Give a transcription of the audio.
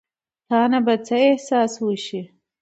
تا ته به څۀ احساس وشي ـ